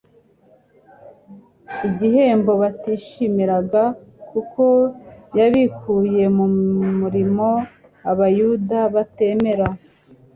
igihembo batishimiraga kuko yabikuye mu murimo abayuda batemera,